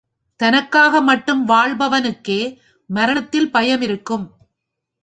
தனக்காக மட்டும் வாழ்பவனுக்கே மரணத்தில் பயம் இருக்கும்.